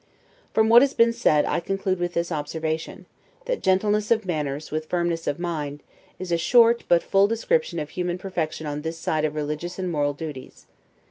From what has been said, I conclude with this observation, that gentleness of manners, with firmness of mind, is a short, but full description of human perfection on this side of religious and moral duties.